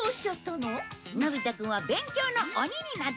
のび太くんは勉強の鬼になったんだ。